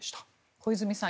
小泉さん